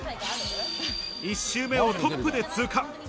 １周目をトップで通過。